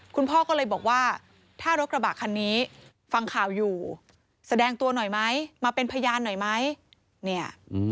คุณพ่อก็เลยบอกว่าถ้ารถกระบะคันนี้ฟังข่าวอยู่แสดงตัวหน่อยไหมมาเป็นพยานหน่อยไหมเนี่ย